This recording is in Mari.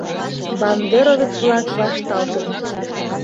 Бандеровец-влак вашталтыт.